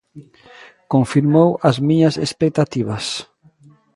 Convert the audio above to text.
Confirmou as miñas expectativas.